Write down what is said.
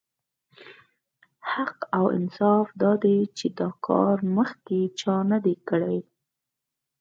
حق او انصاف دا دی چې دا کار مخکې چا نه دی کړی.